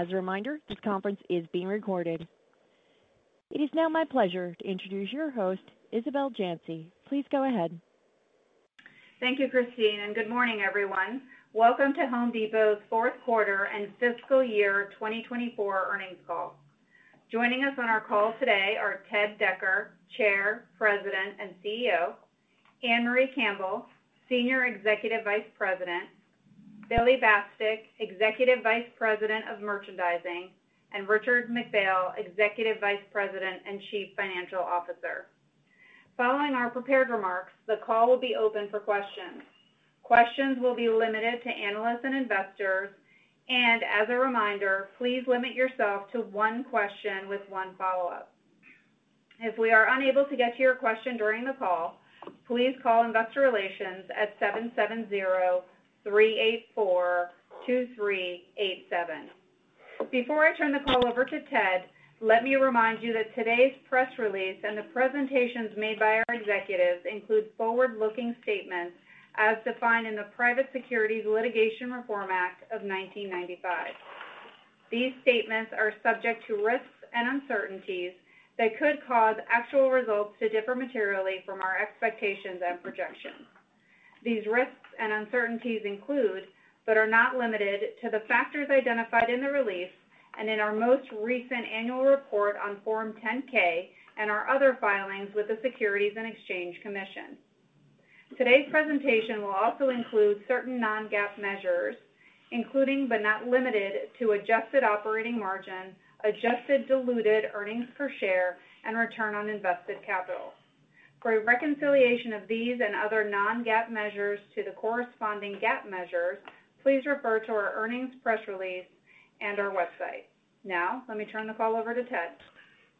As a reminder, this conference is being recorded. It is now my pleasure to introduce your host, Isabel Janci. Please go ahead. Thank you, Christine, and good morning, everyone. Welcome to Home Depot's fourth quarter and fiscal year 2024 earnings call. Joining us on our call today are Ted Decker, Chair, President, and CEO, Ann-Marie Campbell, Senior Executive Vice President, Billy Bastek, Executive Vice President of Merchandising, and Richard McPhail, Executive Vice President and Chief Financial Officer. Following our prepared remarks, the call will be open for questions. Questions will be limited to analysts and investors, and as a reminder, please limit yourself to one question with one follow-up. If we are unable to get to your question during the call, please call Investor Relations at 770-384-2387. Before I turn the call over to Ted, let me remind you that today's press release and the presentations made by our executives include forward-looking statements as defined in the Private Securities Litigation Reform Act of 1995. These statements are subject to risks and uncertainties that could cause actual results to differ materially from our expectations and projections. These risks and uncertainties include, but are not limited to, the factors identified in the release and in our most recent annual report on Form 10-K and our other filings with the Securities and Exchange Commission. Today's presentation will also include certain non-GAAP measures, including, but not limited to, adjusted operating margin, adjusted diluted earnings per share, and return on invested capital. For reconciliation of these and other non-GAAP measures to the corresponding GAAP measures, please refer to our earnings press release and our website. Now, let me turn the call over to Ted.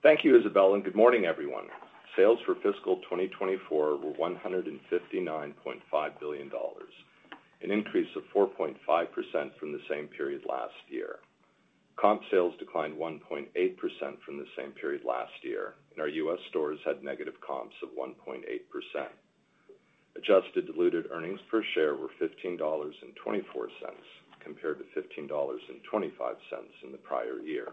Thank you, Isabel, and good morning, everyone. Sales for fiscal 2024 were $159.5 billion, an increase of 4.5% from the same period last year. Comp sales declined 1.8% from the same period last year, and our U.S. stores had negative comps of 1.8%. Adjusted diluted earnings per share were $15.24, compared to $15.25 in the prior year.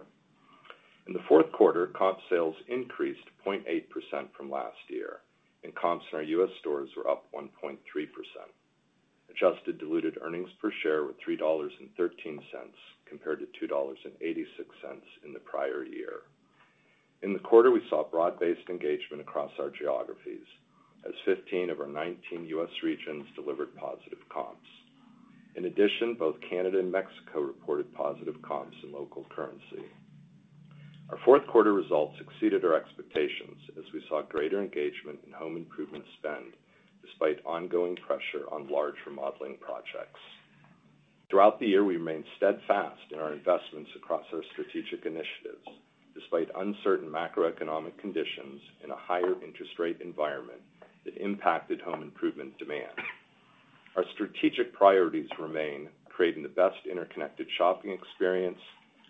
In the fourth quarter, comp sales increased 0.8% from last year, and comps in our U.S. stores were up 1.3%. Adjusted diluted earnings per share were $3.13, compared to $2.86 in the prior year. In the quarter, we saw broad-based engagement across our geographies, as 15 of our 19 U.S. regions delivered positive comps. In addition, both Canada and Mexico reported positive comps in local currency. Our fourth quarter results exceeded our expectations, as we saw greater engagement in home improvement spend despite ongoing pressure on large remodeling projects. Throughout the year, we remained steadfast in our investments across our strategic initiatives, despite uncertain macroeconomic conditions in a higher interest rate environment that impacted home improvement demand. Our strategic priorities remain: creating the best interconnected shopping experience,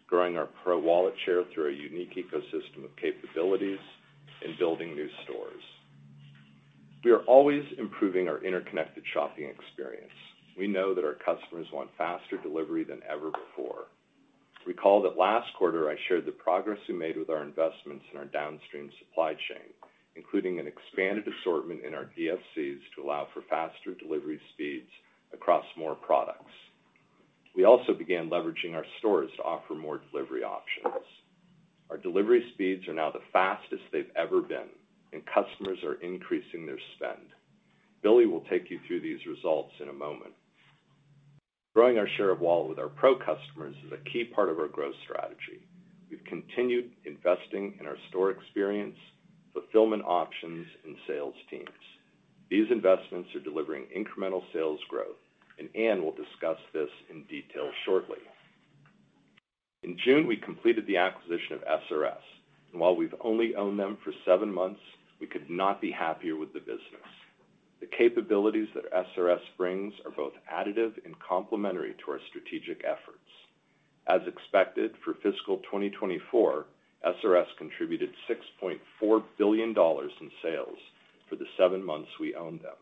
growing our Pro wallet share through our unique ecosystem of capabilities, and building new stores. We are always improving our interconnected shopping experience. We know that our customers want faster delivery than ever before. Recall that last quarter, I shared the progress we made with our investments in our downstream supply chain, including an expanded assortment in our DFCs to allow for faster delivery speeds across more products. We also began leveraging our stores to offer more delivery options. Our delivery speeds are now the fastest they've ever been, and customers are increasing their spend. Billy will take you through these results in a moment. Growing our share of wallet with our Pro customers is a key part of our growth strategy. We've continued investing in our store experience, fulfillment options, and sales teams. These investments are delivering incremental sales growth, and Ann will discuss this in detail shortly. In June, we completed the acquisition of SRS, and while we've only owned them for seven months, we could not be happier with the business. The capabilities that SRS brings are both additive and complementary to our strategic efforts. As expected, for fiscal 2024, SRS contributed $6.4 billion in sales for the seven months we owned them.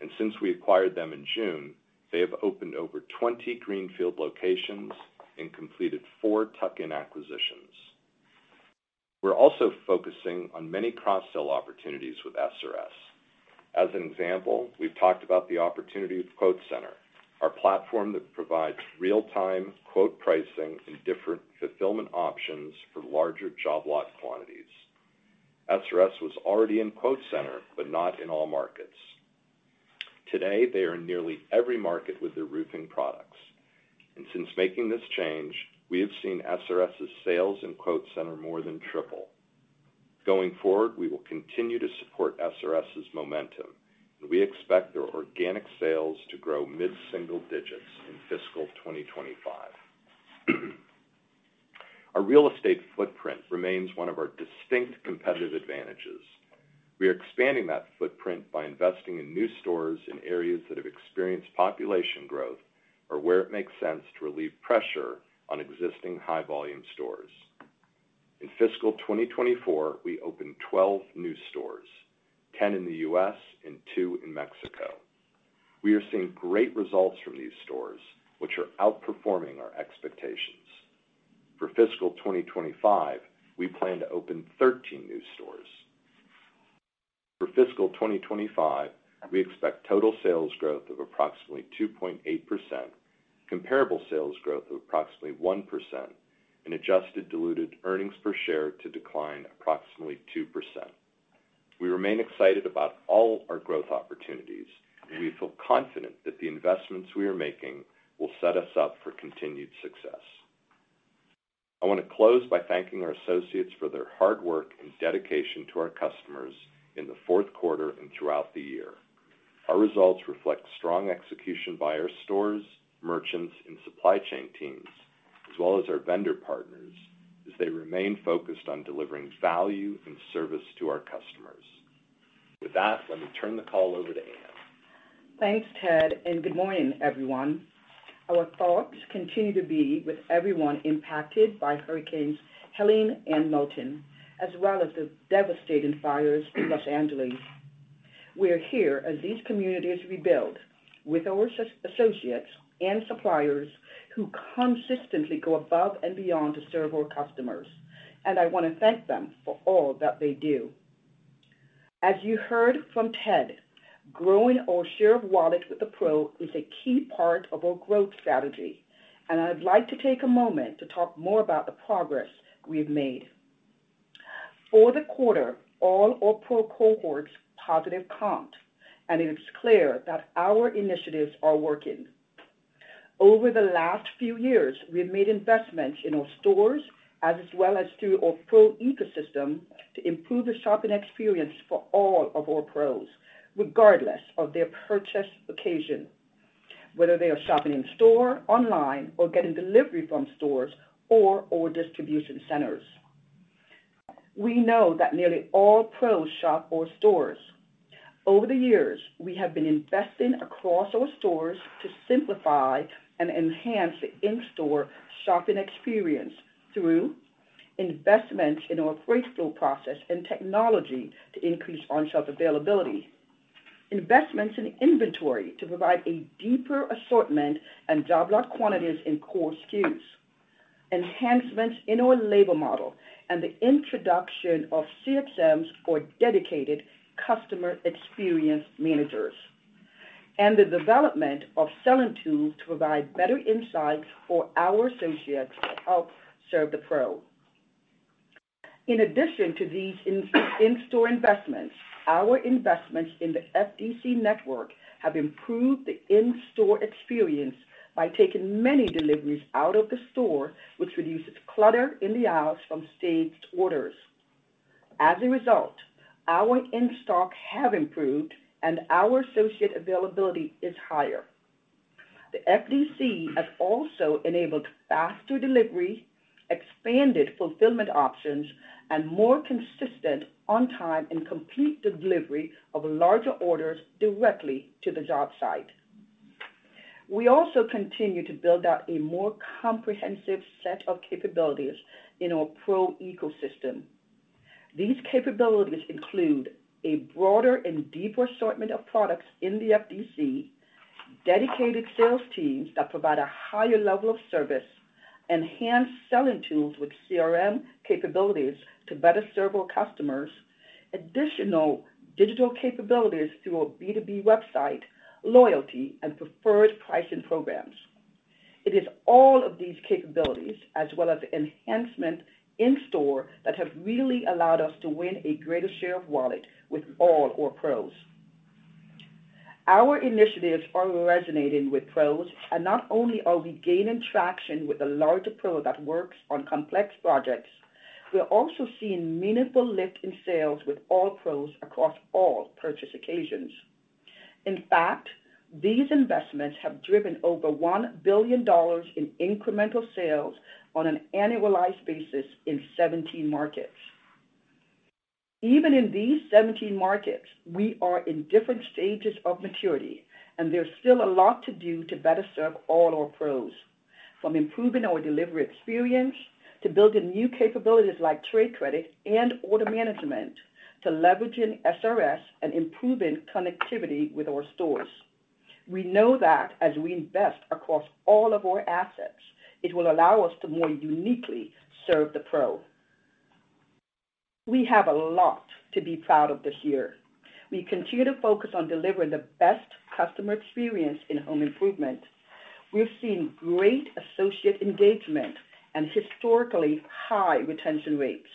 And since we acquired them in June, they have opened over 20 greenfield locations and completed four tuck-in acquisitions. We're also focusing on many cross-sell opportunities with SRS. As an example, we've talked about the opportunity of QuoteCenter, our platform that provides real-time quote pricing and different fulfillment options for larger job lot quantities. SRS was already in QuoteCenter, but not in all markets. Today, they are in nearly every market with their roofing products. And since making this change, we have seen SRS's sales in QuoteCenter more than triple. Going forward, we will continue to support SRS's momentum, and we expect their organic sales to grow mid-single digits in fiscal 2025. Our real estate footprint remains one of our distinct competitive advantages. We are expanding that footprint by investing in new stores in areas that have experienced population growth or where it makes sense to relieve pressure on existing high-volume stores. In fiscal 2024, we opened 12 new stores, 10 in the U.S. and two in Mexico. We are seeing great results from these stores, which are outperforming our expectations. For fiscal 2025, we plan to open 13 new stores. For fiscal 2025, we expect total sales growth of approximately 2.8%, comparable sales growth of approximately 1%, and adjusted diluted earnings per share to decline approximately 2%. We remain excited about all our growth opportunities, and we feel confident that the investments we are making will set us up for continued success. I want to close by thanking our associates for their hard work and dedication to our customers in the fourth quarter and throughout the year. Our results reflect strong execution by our stores, merchants, and supply chain teams, as well as our vendor partners, as they remain focused on delivering value and service to our customers. With that, let me turn the call over to Ann. Thanks, Ted, and good morning, everyone. Our thoughts continue to be with everyone impacted by Hurricanes Helene and Milton, as well as the devastating fires in Los Angeles. We are here as these communities rebuild with our associates and suppliers who consistently go above and beyond to serve our customers, and I want to thank them for all that they do. As you heard from Ted, growing our share of wallet with the Pro is a key part of our growth strategy, and I'd like to take a moment to talk more about the progress we've made. For the quarter, all our Pro cohorts positive comped, and it is clear that our initiatives are working. Over the last few years, we have made investments in our stores, as well as through our Pro ecosystem, to improve the shopping experience for all of our Pros, regardless of their purchase occasion, whether they are shopping in store, online, or getting delivery from stores or our distribution centers. We know that nearly all Pros shop our stores. Over the years, we have been investing across our stores to simplify and enhance the in-store shopping experience through investments in our freight flow process and technology to increase on-shelf availability, investments in inventory to provide a deeper assortment and job lot quantities in core SKUs, enhancements in our labor model, and the introduction of CXMs, or dedicated customer experience managers, and the development of selling tools to provide better insights for our associates to help serve the Pro. In addition to these in-store investments, our investments in the FDC network have improved the in-store experience by taking many deliveries out of the store, which reduces clutter in the aisles from staged orders. As a result, our in-stocks have improved, and our associate availability is higher. The FDC has also enabled faster delivery, expanded fulfillment options, and more consistent, on-time and complete delivery of larger orders directly to the job site. We also continue to build out a more comprehensive set of capabilities in our Pro ecosystem. These capabilities include a broader and deeper assortment of products in the FDC, dedicated sales teams that provide a higher level of service, enhanced selling tools with CRM capabilities to better serve our customers, additional digital capabilities through our B2B website, loyalty, and preferred pricing programs. It is all of these capabilities, as well as the enhancement in-store, that have really allowed us to win a greater share of wallet with all our Pros. Our initiatives are resonating with Pros, and not only are we gaining traction with the larger Pro that works on complex projects, we're also seeing meaningful lift in sales with all Pros across all purchase occasions. In fact, these investments have driven over $1 billion in incremental sales on an annualized basis in 17 markets. Even in these 17 markets, we are in different stages of maturity, and there's still a lot to do to better serve all our Pros, from improving our delivery experience to building new capabilities like trade credit and order management to leveraging SRS and improving connectivity with our stores. We know that as we invest across all of our assets, it will allow us to more uniquely serve the Pro. We have a lot to be proud of this year. We continue to focus on delivering the best customer experience in home improvement. We've seen great associate engagement and historically high retention rates.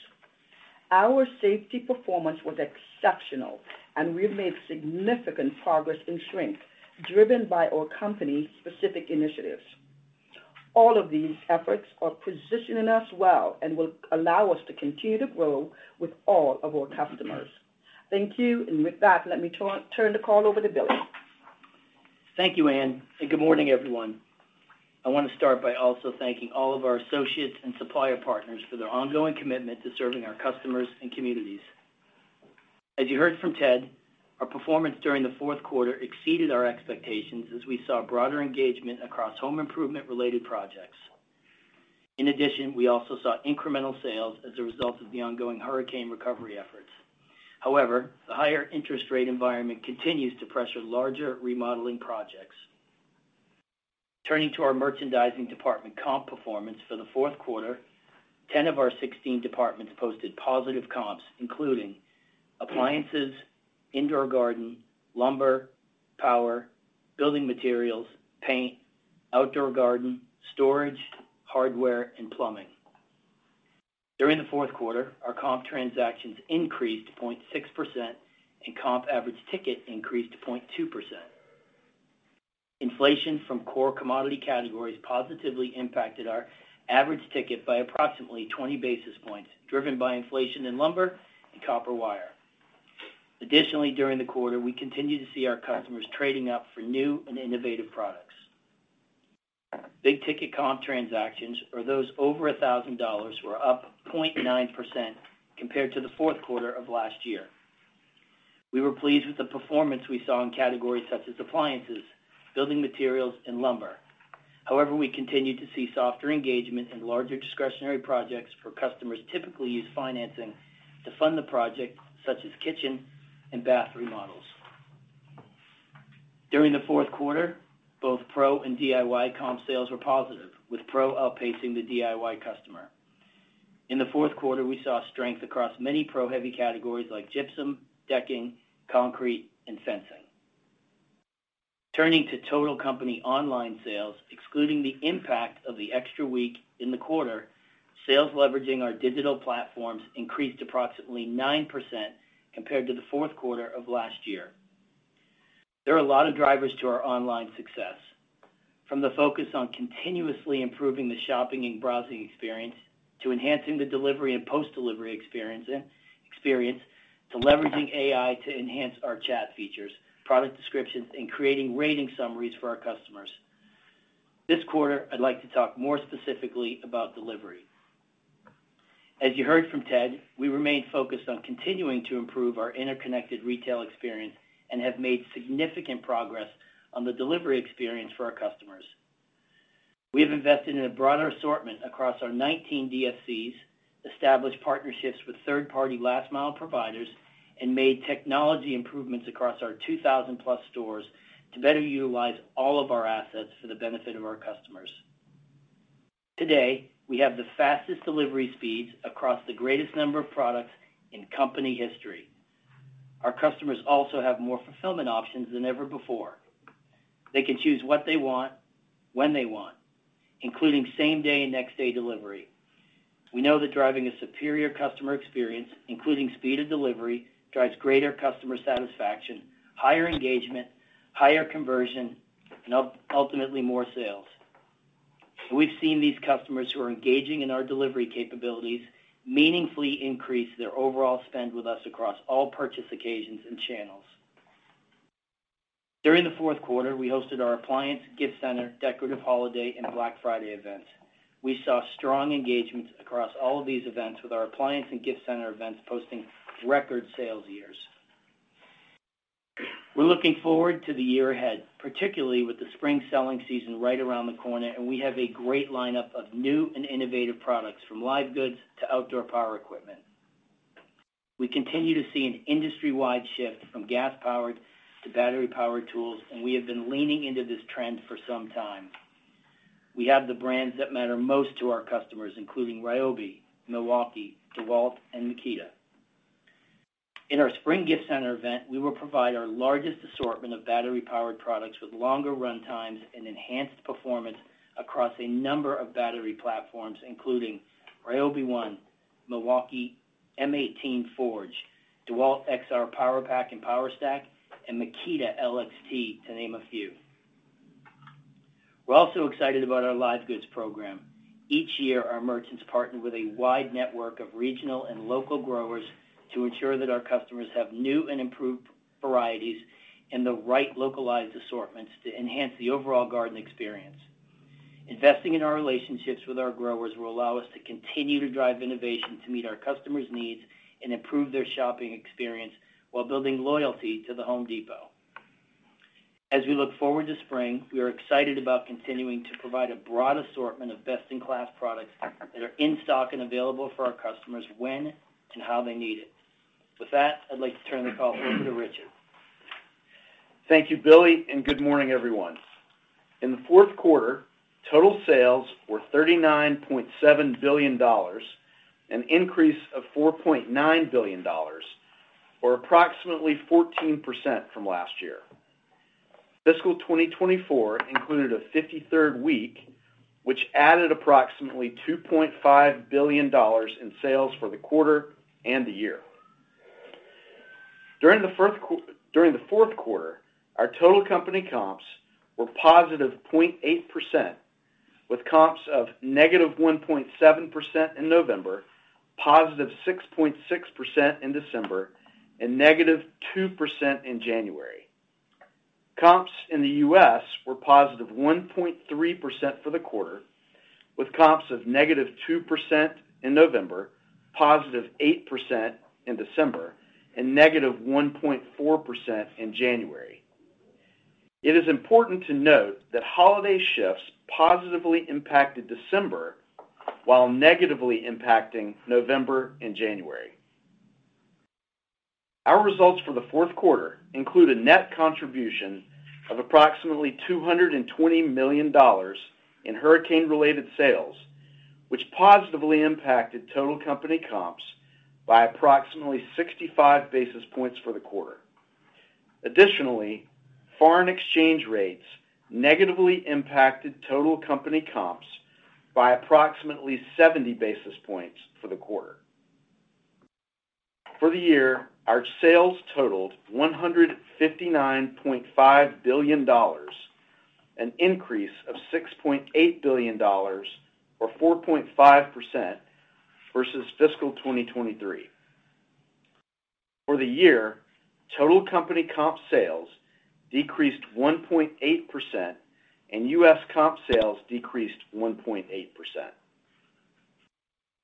Our safety performance was exceptional, and we've made significant progress in shrink, driven by our company-specific initiatives. All of these efforts are positioning us well and will allow us to continue to grow with all of our customers. Thank you, and with that, let me turn the call over to Billy. Thank you, Ann, and good morning, everyone. I want to start by also thanking all of our associates and supplier partners for their ongoing commitment to serving our customers and communities. As you heard from Ted, our performance during the fourth quarter exceeded our expectations as we saw broader engagement across home improvement-related projects. In addition, we also saw incremental sales as a result of the ongoing hurricane recovery efforts. However, the higher interest rate environment continues to pressure larger remodeling projects. Turning to our merchandising department comp performance for the fourth quarter, 10 of our 16 departments posted positive comps, including appliances, indoor garden, lumber, power, building materials, paint, outdoor garden, storage, hardware, and plumbing. During the fourth quarter, our comp transactions increased 0.6%, and comp average ticket increased 0.2%. Inflation from core commodity categories positively impacted our average ticket by approximately 20 basis points, driven by inflation in lumber and copper wire. Additionally, during the quarter, we continue to see our customers trading up for new and innovative products. Big ticket comp transactions, or those over $1,000, were up 0.9% compared to the fourth quarter of last year. We were pleased with the performance we saw in categories such as appliances, building materials, and lumber. However, we continue to see softer engagement in larger discretionary projects where customers typically use financing to fund the project, such as kitchen and bath remodels. During the fourth quarter, both Pro and DIY comp sales were positive, with Pro outpacing the DIY customer. In the fourth quarter, we saw strength across many Pro-heavy categories like gypsum, decking, concrete, and fencing. Turning to total company online sales, excluding the impact of the extra week in the quarter, sales leveraging our digital platforms increased approximately 9% compared to the fourth quarter of last year. There are a lot of drivers to our online success, from the focus on continuously improving the shopping and browsing experience to enhancing the delivery and post-delivery experience, to leveraging AI to enhance our chat features, product descriptions, and creating rating summaries for our customers. This quarter, I'd like to talk more specifically about delivery. As you heard from Ted, we remained focused on continuing to improve our interconnected retail experience and have made significant progress on the delivery experience for our customers. We have invested in a broader assortment across our 19 DFCs, established partnerships with third-party last-mile providers, and made technology improvements across our 2,000+ stores to better utilize all of our assets for the benefit of our customers. Today, we have the fastest delivery speeds across the greatest number of products in company history. Our customers also have more fulfillment options than ever before. They can choose what they want, when they want, including same-day and next-day delivery. We know that driving a superior customer experience, including speed of delivery, drives greater customer satisfaction, higher engagement, higher conversion, and ultimately more sales. We've seen these customers who are engaging in our delivery capabilities meaningfully increase their overall spend with us across all purchase occasions and channels. During the fourth quarter, we hosted our appliance, gift center, decorative holiday, and Black Friday events. We saw strong engagements across all of these events with our appliance and gift center events posting record sales years. We're looking forward to the year ahead, particularly with the spring selling season right around the corner, and we have a great lineup of new and innovative products from live goods to outdoor power equipment. We continue to see an industry-wide shift from gas-powered to battery-powered tools, and we have been leaning into this trend for some time. We have the brands that matter most to our customers, including Ryobi, Milwaukee, DeWalt, and Makita. In our spring gift center event, we will provide our largest assortment of battery-powered products with longer runtimes and enhanced performance across a number of battery platforms, including Ryobi ONE+, Milwaukee M18 FORGE, DeWalt XR POWERPACK and POWERSTACK, and Makita LXT, to name a few. We're also excited about our live goods program. Each year, our merchants partner with a wide network of regional and local growers to ensure that our customers have new and improved varieties and the right localized assortments to enhance the overall garden experience. Investing in our relationships with our growers will allow us to continue to drive innovation to meet our customers' needs and improve their shopping experience while building loyalty to The Home Depot. As we look forward to spring, we are excited about continuing to provide a broad assortment of best-in-class products that are in stock and available for our customers when and how they need it. With that, I'd like to turn the call over to Richard. Thank you, Billy, and good morning, everyone. In the fourth quarter, total sales were $39.7 billion, an increase of $4.9 billion, or approximately 14% from last year. Fiscal 2024 included a 53rd week, which added approximately $2.5 billion in sales for the quarter and the year. During the fourth quarter, our total company comps were +0.8%, with comps of -1.7% in November, +6.6% in December, and -2% in January. Comps in the U.S. were +1.3% for the quarter, with comps of -2% in November, +8% in December, and -1.4% in January. It is important to note that holiday shifts positively impacted December while negatively impacting November and January. Our results for the fourth quarter include a net contribution of approximately $220 million in hurricane-related sales, which positively impacted total company comps by approximately 65 basis points for the quarter. Additionally, foreign exchange rates negatively impacted total company comps by approximately 70 basis points for the quarter. For the year, our sales totaled $159.5 billion, an increase of $6.8 billion, or 4.5%, versus fiscal 2023. For the year, total company comp sales decreased 1.8%, and U.S. comp sales decreased 1.8%.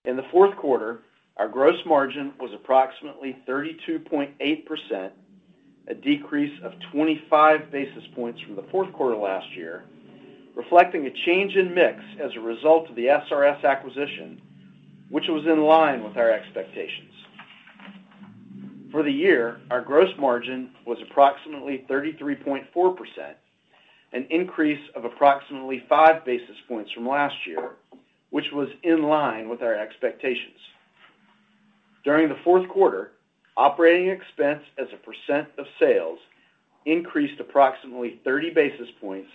In the fourth quarter, our gross margin was approximately 32.8%, a decrease of 25 basis points from the fourth quarter last year, reflecting a change in mix as a result of the SRS acquisition, which was in line with our expectations. For the year, our gross margin was approximately 33.4%, an increase of approximately 5 basis points from last year, which was in line with our expectations. During the fourth quarter, operating expense as a percent of sales increased approximately 30 basis points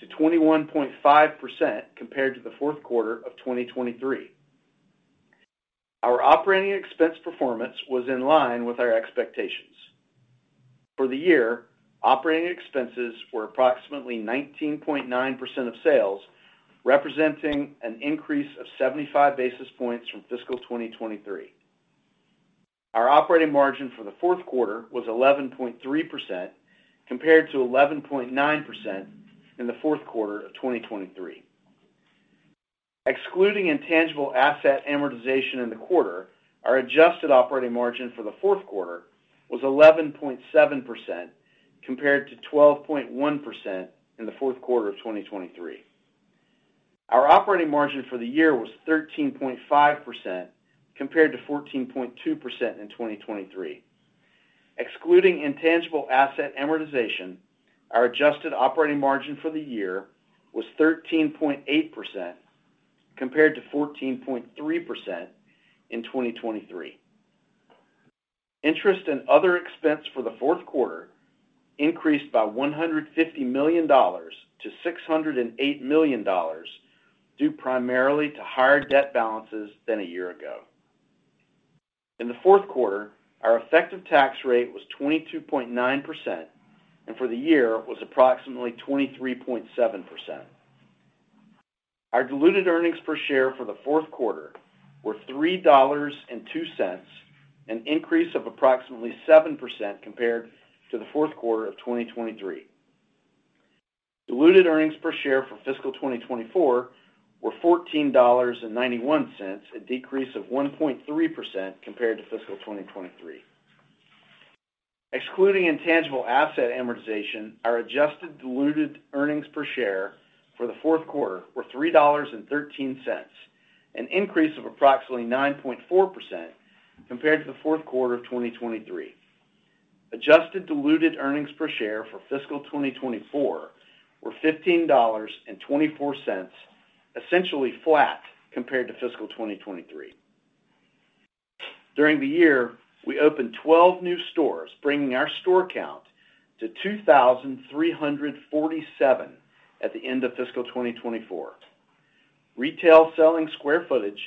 to 21.5% compared to the fourth quarter of 2023. Our operating expense performance was in line with our expectations. For the year, operating expenses were approximately 19.9% of sales, representing an increase of 75 basis points from fiscal 2023. Our operating margin for the fourth quarter was 11.3% compared to 11.9% in the fourth quarter of 2023. Excluding intangible asset amortization in the quarter, our adjusted operating margin for the fourth quarter was 11.7% compared to 12.1% in the fourth quarter of 2023. Our operating margin for the year was 13.5% compared to 14.2% in 2023. Excluding intangible asset amortization, our adjusted operating margin for the year was 13.8% compared to 14.3% in 2023. Interest and other expense for the fourth quarter increased by $150 million to $608 million due primarily to higher debt balances than a year ago. In the fourth quarter, our effective tax rate was 22.9%, and for the year, it was approximately 23.7%. Our diluted earnings per share for the fourth quarter were $3.02, an increase of approximately 7% compared to the fourth quarter of 2023. Diluted earnings per share for fiscal 2024 were $14.91, a decrease of 1.3% compared to fiscal 2023. Excluding intangible asset amortization, our adjusted diluted earnings per share for the fourth quarter were $3.13, an increase of approximately 9.4% compared to the fourth quarter of 2023. Adjusted diluted earnings per share for fiscal 2024 were $15.24, essentially flat compared to fiscal 2023. During the year, we opened 12 new stores, bringing our store count to 2,347 at the end of fiscal 2024. Retail selling square footage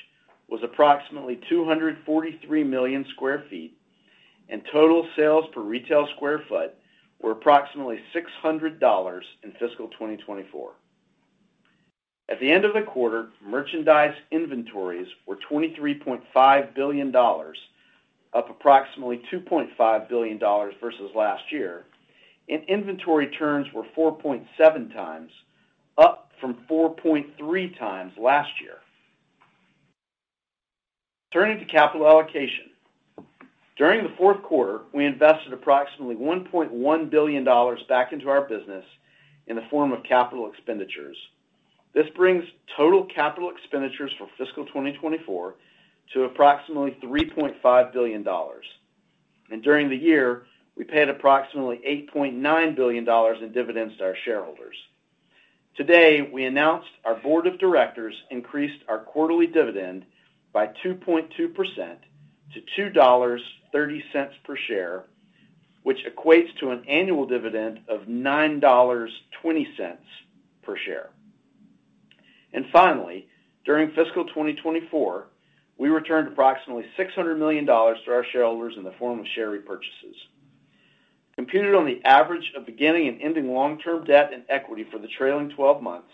was approximately 243 million sq ft, and total sales per retail sq ft were approximately $600 in fiscal 2024. At the end of the quarter, merchandise inventories were $23.5 billion, up approximately $2.5 billion versus last year, and inventory turns were 4.7x, up from 4.3x last year. Turning to capital allocation, during the fourth quarter, we invested approximately $1.1 billion back into our business in the form of capital expenditures. This brings total capital expenditures for fiscal 2024 to approximately $3.5 billion. And during the year, we paid approximately $8.9 billion in dividends to our shareholders. Today, we announced our board of directors increased our quarterly dividend by 2.2% to $2.30 per share, which equates to an annual dividend of $9.20 per share. And finally, during fiscal 2024, we returned approximately $600 million to our shareholders in the form of share repurchases. Computed on the average of beginning and ending long-term debt and equity for the trailing 12 months,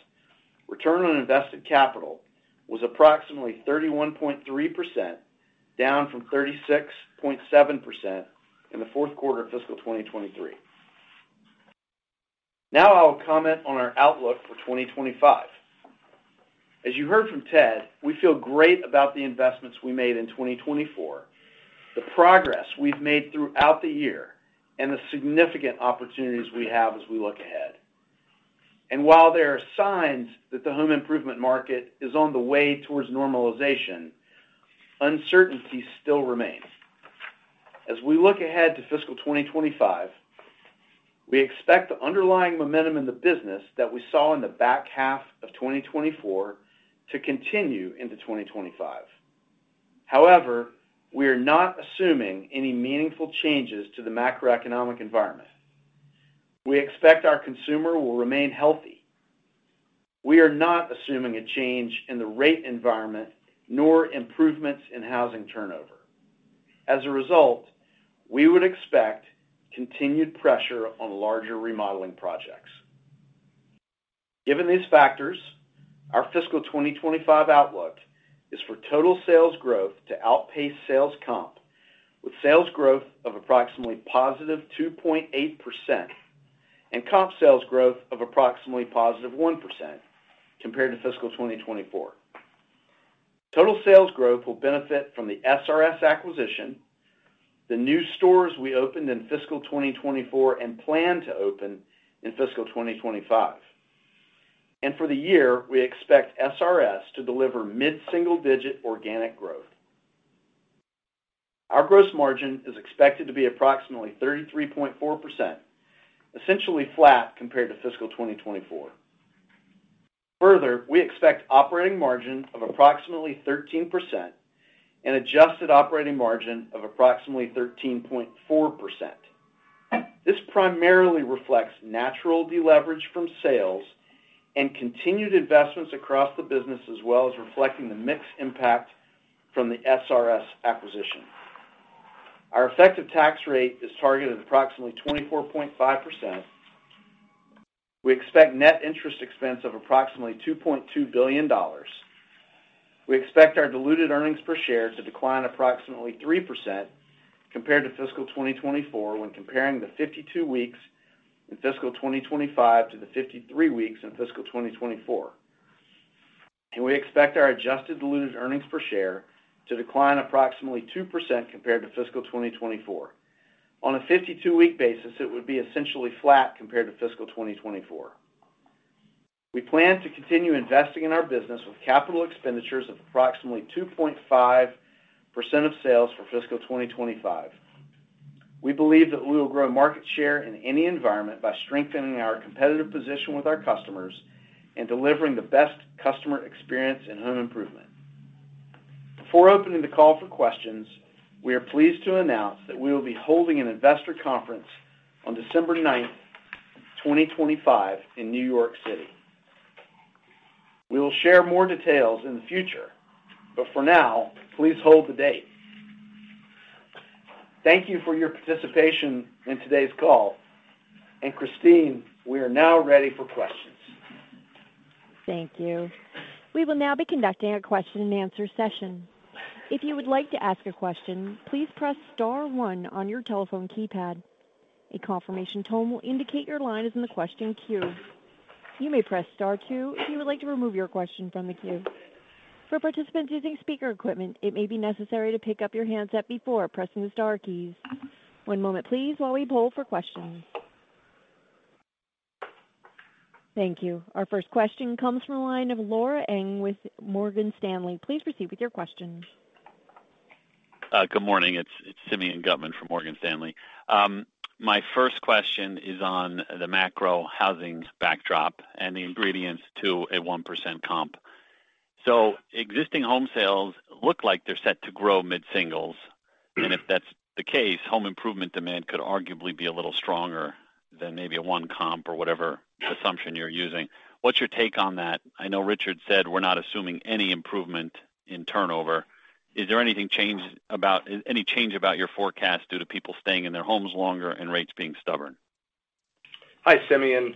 return on invested capital was approximately 31.3%, down from 36.7% in the fourth quarter of fiscal 2023. Now I'll comment on our outlook for 2025. As you heard from Ted, we feel great about the investments we made in 2024, the progress we've made throughout the year, and the significant opportunities we have as we look ahead. And while there are signs that the home improvement market is on the way towards normalization, uncertainty still remains. As we look ahead to fiscal 2025, we expect the underlying momentum in the business that we saw in the back half of 2024 to continue into 2025. However, we are not assuming any meaningful changes to the macroeconomic environment. We expect our consumer will remain healthy. We are not assuming a change in the rate environment nor improvements in housing turnover. As a result, we would expect continued pressure on larger remodeling projects. Given these factors, our fiscal 2025 outlook is for total sales growth to outpace sales comp, with sales growth of approximately positive 2.8% and comp sales growth of approximately positive 1% compared to fiscal 2024. Total sales growth will benefit from the SRS acquisition, the new stores we opened in fiscal 2024 and plan to open in fiscal 2025. And for the year, we expect SRS to deliver mid-single-digit organic growth. Our gross margin is expected to be approximately 33.4%, essentially flat compared to fiscal 2024. Further, we expect operating margin of approximately 13% and adjusted operating margin of approximately 13.4%. This primarily reflects natural deleverage from sales and continued investments across the business, as well as reflecting the mix impact from the SRS acquisition. Our effective tax rate is targeted at approximately 24.5%. We expect net interest expense of approximately $2.2 billion. We expect our diluted earnings per share to decline approximately 3% compared to fiscal 2024 when comparing the 52 weeks in fiscal 2025 to the 53 weeks in fiscal 2024, and we expect our adjusted diluted earnings per share to decline approximately 2% compared to fiscal 2024. On a 52-week basis, it would be essentially flat compared to fiscal 2024. We plan to continue investing in our business with capital expenditures of approximately 2.5% of sales for fiscal 2025. We believe that we will grow market share in any environment by strengthening our competitive position with our customers and delivering the best customer experience in home improvement. Before opening the call for questions, we are pleased to announce that we will be holding an Investor Conference on December 9th, 2025, in New York City. We will share more details in the future, but for now, please hold the date. Thank you for your participation in today's call, and Christine, we are now ready for questions. Thank you. We will now be conducting a question-and-answer session. If you would like to ask a question, please press star one on your telephone keypad. A confirmation tone will indicate your line is in the question queue. You may press star two if you would like to remove your question from the queue. For participants using speaker equipment, it may be necessary to pick up your handset before pressing the star keys. One moment, please, while we poll for questions. Thank you. Our first question comes from a line of Laura Ng with Morgan Stanley. Please proceed with your question. Good morning. It's Simeon Gutman from Morgan Stanley. My first question is on the macro housing backdrop and the ingredients to a 1% comp, so existing home sales look like they're set to grow mid-singles, and if that's the case, home improvement demand could arguably be a little stronger than maybe a 1 comp or whatever assumption you're using. What's your take on that? I know Richard said we're not assuming any improvement in turnover. Is there anything changed about your forecast due to people staying in their homes longer and rates being stubborn? Hi, Simeon.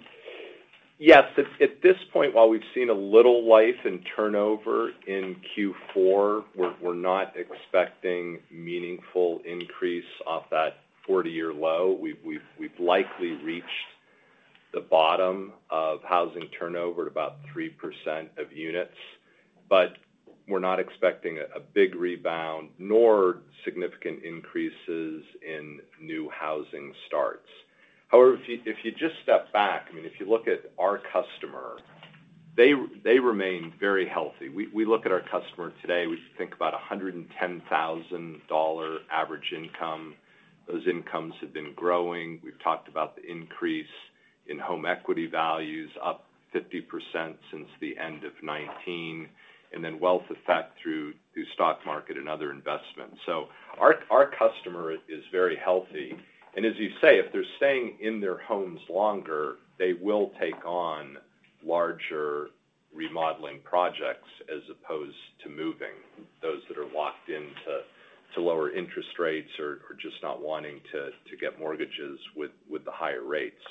Yes, at this point, while we've seen a little life in turnover in Q4, we're not expecting meaningful increase off that 40-year low. We've likely reached the bottom of housing turnover at about 3% of units, but we're not expecting a big rebound nor significant increases in new housing starts. However, if you just step back, I mean, if you look at our customer, they remain very healthy. We look at our customer today, we think about $110,000 average income. Those incomes have been growing. We've talked about the increase in home equity values up 50% since the end of 2019, and then wealth effect through the stock market and other investments. So our customer is very healthy. And as you say, if they're staying in their homes longer, they will take on larger remodeling projects as opposed to moving, those that are locked into lower interest rates or just not wanting to get mortgages with the higher rates.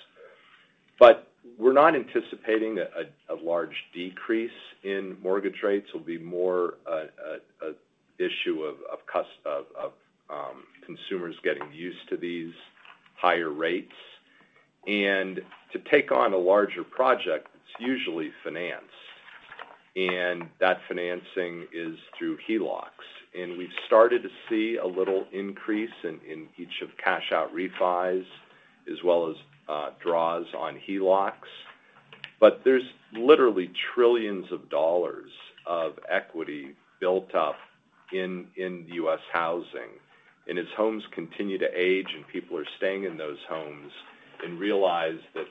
But we're not anticipating a large decrease in mortgage rates. It'll be more an issue of consumers getting used to these higher rates. And to take on a larger project, it's usually financed. And that financing is through HELOCs. And we've started to see a little increase in each of cash-out refis as well as draws on HELOCs. But there's literally trillions of dollars of equity built up in U.S. housing. And as homes continue to age and people are staying in those homes and realize that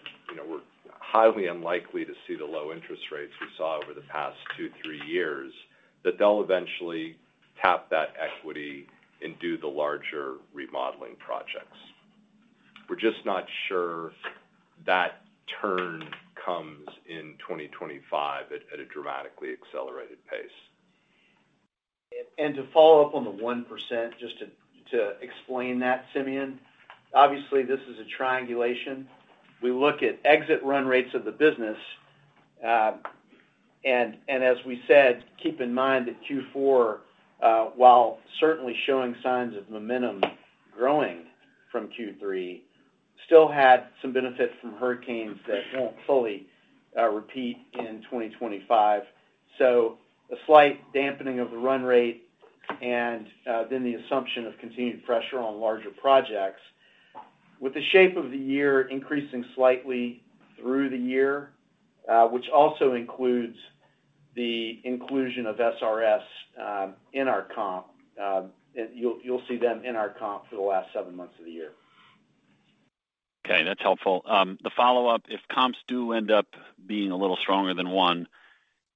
we're highly unlikely to see the low interest rates we saw over the past two, three years, that they'll eventually tap that equity and do the larger remodeling projects. We're just not sure that turn comes in 2025 at a dramatically accelerated pace. To follow up on the 1%, just to explain that, Simeon, obviously, this is a triangulation. We look at exit run rates of the business. And as we said, keep in mind that Q4, while certainly showing signs of momentum growing from Q3, still had some benefit from hurricanes that won't fully repeat in 2025. So a slight dampening of the run rate and then the assumption of continued pressure on larger projects, with the shape of the year increasing slightly through the year, which also includes the inclusion of SRS in our comp. You'll see them in our comp for the last seven months of the year. Okay. That's helpful. The follow-up, if comps do end up being a little stronger than one,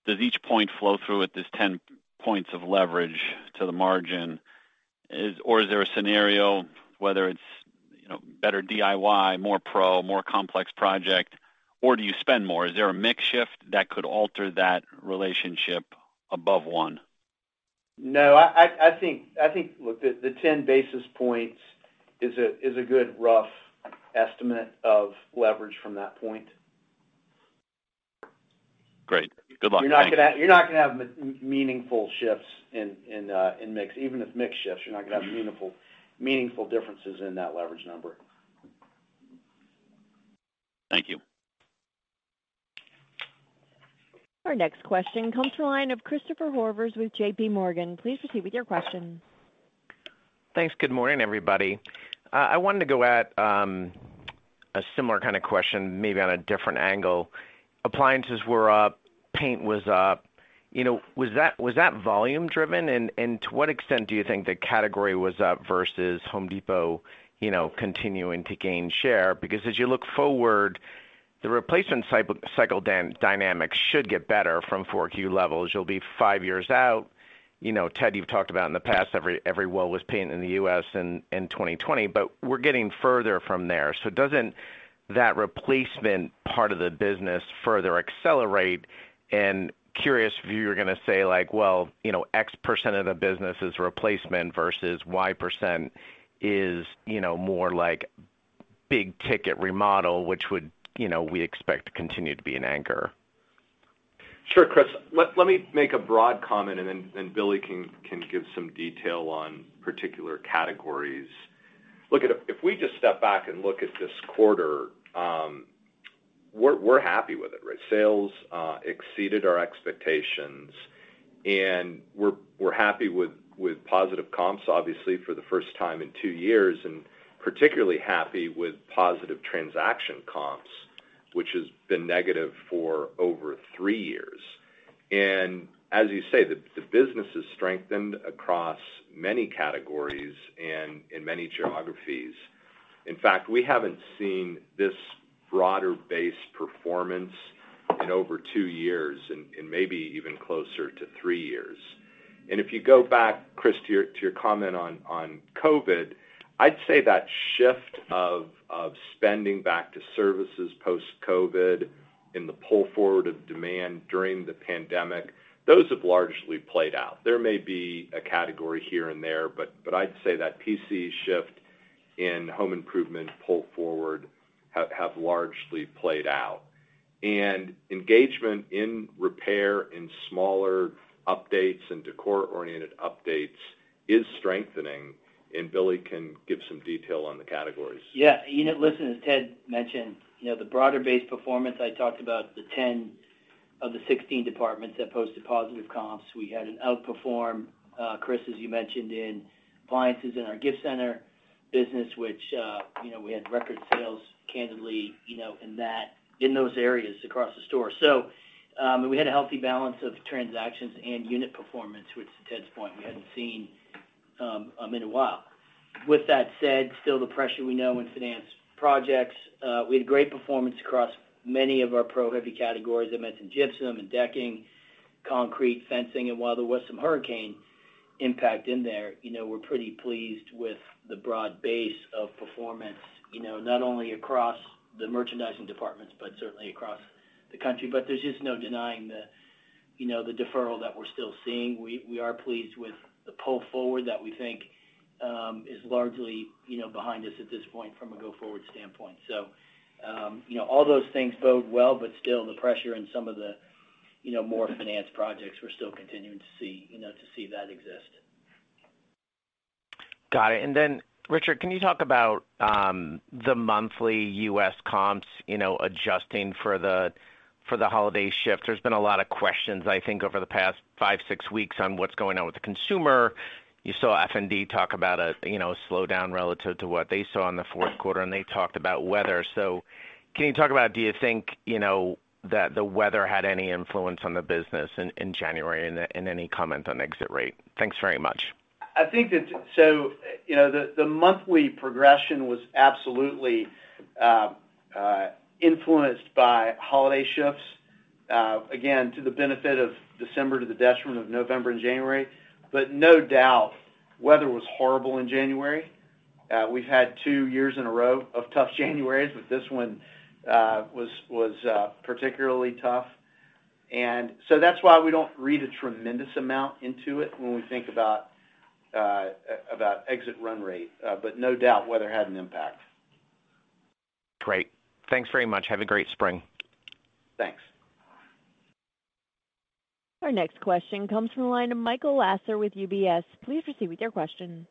does each point flow through with this 10 points of leverage to the margin, or is there a scenario whether it's better DIY, more Pro, more complex project, or do you spend more? Is there a mix shift that could alter that relationship above one? No. I think, look, the 10 basis points is a good rough estimate of leverage from that point. Great. Good luck. You're not going to have meaningful shifts in mix. Even if mix shifts, you're not going to have meaningful differences in that leverage number. Thank you. Our next question comes from a line of Christopher Horvers with JPMorgan. Please proceed with your question. Thanks. Good morning, everybody. I wanted to go at a similar kind of question, maybe on a different angle. Appliances were up, paint was up. Was that volume-driven? And to what extent do you think the category was up versus Home Depot continuing to gain share? Because as you look forward, the replacement cycle dynamics should get better from 4Q levels. You'll be five years out. Ted, you've talked about in the past, every wall was painted in the U.S. in 2020, but we're getting further from there. So doesn't that replacement part of the business further accelerate? And curious if you were going to say, like, well, X% of the business is replacement versus Y% is more like big ticket remodel, which we expect to continue to be an anchor. Sure, Chris. Let me make a broad comment, and then Billy can give some detail on particular categories. Look, if we just step back and look at this quarter, we're happy with it, right? Sales exceeded our expectations, and we're happy with positive comps, obviously, for the first time in two years, and particularly happy with positive transaction comps, which has been negative for over three years. And as you say, the business has strengthened across many categories and in many geographies. In fact, we haven't seen this broader-based performance in over two years and maybe even closer to three years. And if you go back, Chris, to your comment on COVID, I'd say that shift of spending back to services post-COVID in the pull forward of demand during the pandemic, those have largely played out. There may be a category here and there, but I'd say that Pro shift in home improvement pull forward have largely played out. And engagement in repair and smaller updates and decor-oriented updates is strengthening. And Billy can give some detail on the categories. Yeah. Listen, as Ted mentioned, the broader-based performance. I talked about the 10 of the 16 departments that posted positive comps. We had an outperform, Chris, as you mentioned, in appliances in our gift center business, which we had record sales, candidly, in those areas across the store. So we had a healthy balance of transactions and unit performance, which to Ted's point, we hadn't seen in a while. With that said, still the pressure we know in finance projects. We had great performance across many of our Pro-heavy categories. I mentioned gypsum and decking, concrete, fencing. And while there was some hurricane impact in there, we're pretty pleased with the broad base of performance, not only across the merchandising departments, but certainly across the country. But there's just no denying the deferral that we're still seeing. We are pleased with the pull forward that we think is largely behind us at this point from a go forward standpoint. So all those things bode well, but still the pressure in some of the more financed projects, we're still continuing to see that exist. Got it. And then, Richard, can you talk about the monthly U.S. comps adjusting for the holiday shift? There's been a lot of questions, I think, over the past five, six weeks on what's going on with the consumer. You saw F&D talk about a slowdown relative to what they saw in the fourth quarter, and they talked about weather. So can you talk about, do you think, that the weather had any influence on the business in January and any comment on exit rate? Thanks very much. I think that so the monthly progression was absolutely influenced by holiday shifts, again, to the benefit of December to the detriment of November and January. But no doubt, weather was horrible in January. We've had two years in a row of tough Januaries, but this one was particularly tough, and so that's why we don't read a tremendous amount into it when we think about exit run rate. But no doubt, weather had an impact. Great. Thanks very much. Have a great spring. Thanks. Our next question comes from a line of Michael Lasser with UBS. Please proceed with your question.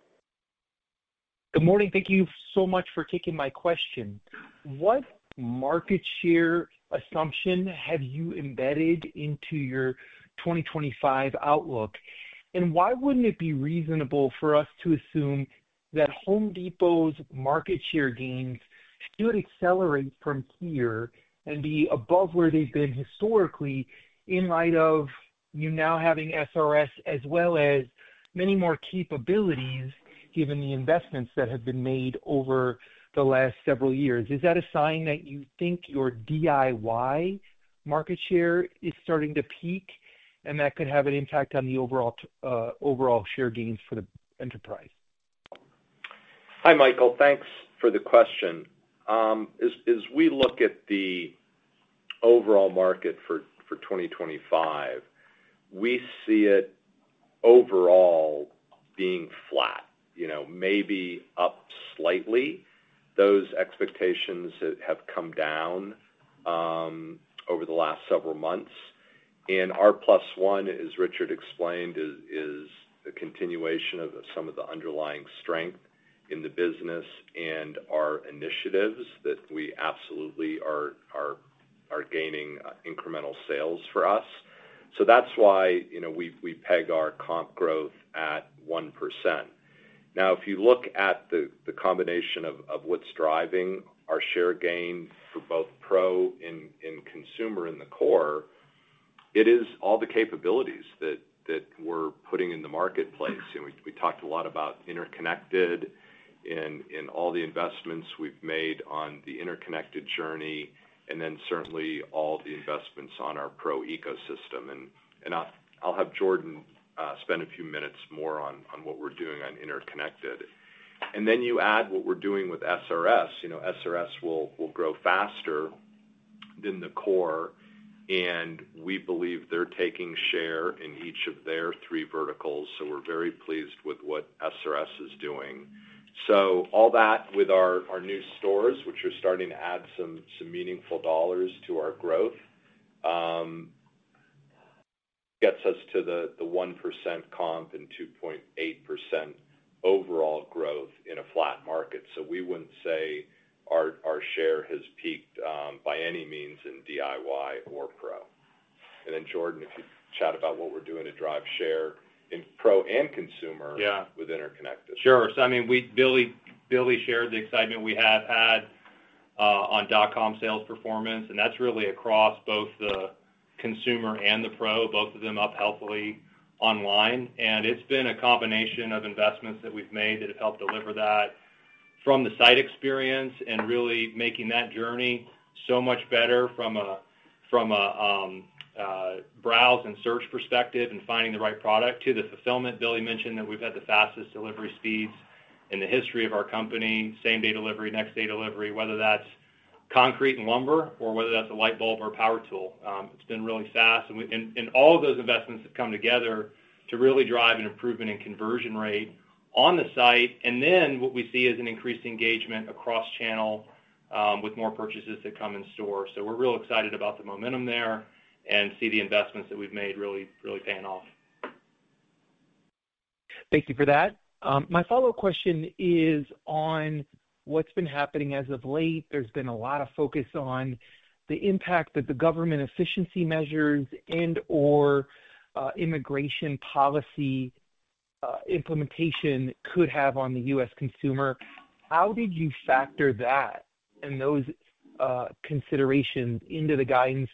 Good morning. Thank you so much for taking my question. What market share assumption have you embedded into your 2025 outlook? And why wouldn't it be reasonable for us to assume that Home Depot's market share gains should accelerate from here and be above where they've been historically in light of you now having SRS as well as many more capabilities given the investments that have been made over the last several years? Is that a sign that you think your DIY market share is starting to peak and that could have an impact on the overall share gains for the enterprise? Hi, Michael. Thanks for the question. As we look at the overall market for 2025, we see it overall being flat, maybe up slightly. Those expectations have come down over the last several months, and our plus one, as Richard explained, is a continuation of some of the underlying strength in the business and our initiatives that we absolutely are gaining incremental sales for us, so that's why we peg our comp growth at 1%. Now, if you look at the combination of what's driving our share gain for both Pro and consumer in the core, it is all the capabilities that we're putting in the marketplace, and we talked a lot about interconnected and all the investments we've made on the interconnected journey, and then certainly all the investments on our Pro ecosystem, and I'll have Jordan spend a few minutes more on what we're doing on interconnected. And then you add what we're doing with SRS. SRS will grow faster than the core, and we believe they're taking share in each of their three verticals. So we're very pleased with what SRS is doing. So all that with our new stores, which are starting to add some meaningful dollars to our growth, gets us to the 1% comp and 2.8% overall growth in a flat market. So we wouldn't say our share has peaked by any means in DIY or Pro. And then Jordan, if you chat about what we're doing to drive share in Pro and consumer with interconnected. Sure. So I mean, Billy shared the excitement we have had on dot-com sales performance. And that's really across both the consumer and the Pro, both of them up healthily online. And it's been a combination of investments that we've made that have helped deliver that from the site experience and really making that journey so much better from a browse and search perspective and finding the right product to the fulfillment. Billy mentioned that we've had the fastest delivery speeds in the history of our company: same-day delivery, next-day delivery, whether that's concrete and lumber or whether that's a light bulb or power tool. It's been really fast. And all of those investments have come together to really drive an improvement in conversion rate on the site. And then what we see is an increased engagement across channel with more purchases that come in store. So we're real excited about the momentum there and see the investments that we've made really paying off. Thank you for that. My follow-up question is on what's been happening as of late. There's been a lot of focus on the impact that the government efficiency measures and/or immigration policy implementation could have on the U.S. consumer. How did you factor that and those considerations into the guidance?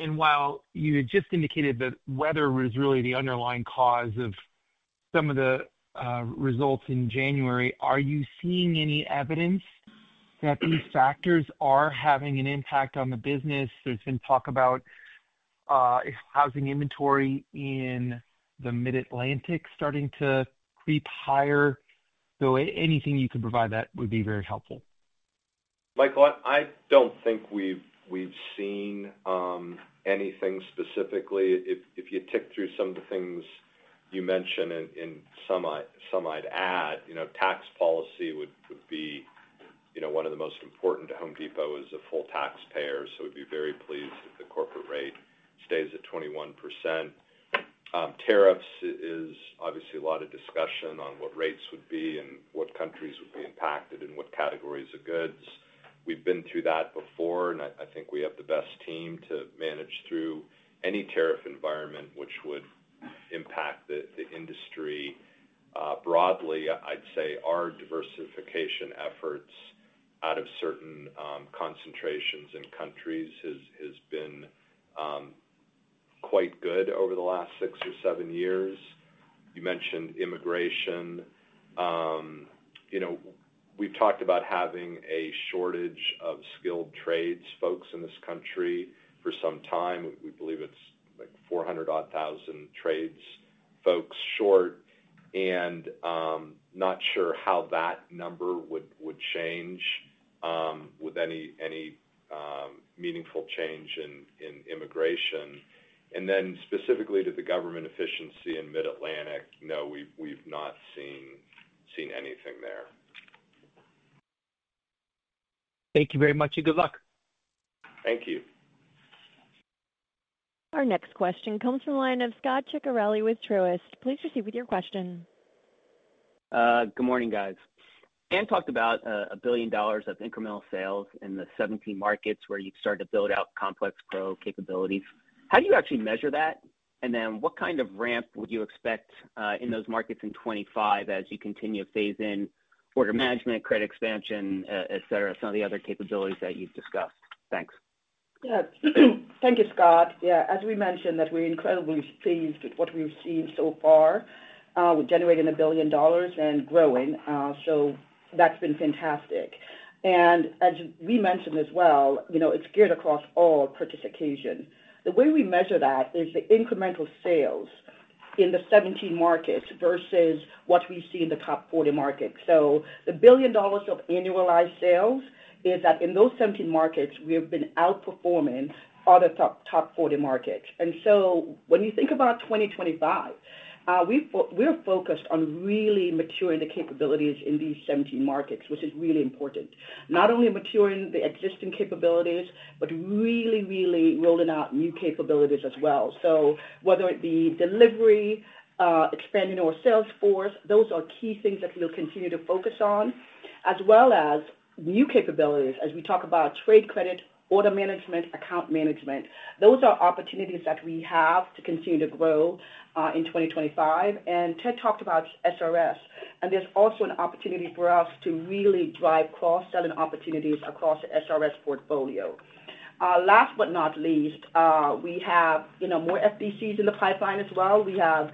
And while you had just indicated that weather was really the underlying cause of some of the results in January, are you seeing any evidence that these factors are having an impact on the business? There's been talk about housing inventory in the Mid-Atlantic starting to creep higher. So anything you could provide that would be very helpful. Michael, I don't think we've seen anything specifically. If you tick through some of the things you mentioned, and some I'd add, tax policy would be one of the most important to Home Depot as a full taxpayer. So we'd be very pleased if the corporate rate stays at 21%. Tariffs is obviously a lot of discussion on what rates would be and what countries would be impacted and what categories of goods. We've been through that before, and I think we have the best team to manage through any tariff environment which would impact the industry. Broadly, I'd say our diversification efforts out of certain concentrations and countries has been quite good over the last six or seven years. You mentioned immigration. We've talked about having a shortage of skilled trades folks in this country for some time. We believe it's like 400-odd-thousand trades folks short, and not sure how that number would change with any meaningful change in immigration, and then specifically to the government efficiency in Mid-Atlantic, no, we've not seen anything there. Thank you very much and good luck. Thank you. Our next question comes from a line of Scot Ciccarelli with Truist. Please proceed with your question. Good morning, guys. Ann talked about $1 billion of incremental sales in the 17 markets where you've started to build out complex Pro capabilities. How do you actually measure that? And then what kind of ramp would you expect in those markets in 2025 as you continue to phase in order management, credit expansion, etc., some of the other capabilities that you've discussed? Thanks. Thank you, Scot. Yeah. As we mentioned, we're incredibly pleased with what we've seen so far. We're generating $1 billion and growing. So that's been fantastic. And as we mentioned as well, it's geared across all participation. The way we measure that is the incremental sales in the 17 markets versus what we see in the top 40 markets. So the $1 billion of annualized sales is that in those 17 markets, we have been outperforming other top 40 markets. And so when you think about 2025, we are focused on really maturing the capabilities in these 17 markets, which is really important. Not only maturing the existing capabilities, but really, really rolling out new capabilities as well. So whether it be delivery, expanding our sales force, those are key things that we'll continue to focus on, as well as new capabilities as we talk about trade credit, order management, account management. Those are opportunities that we have to continue to grow in 2025. And Ted talked about SRS, and there's also an opportunity for us to really drive cross-selling opportunities across the SRS portfolio. Last but not least, we have more FDCs in the pipeline as well. We have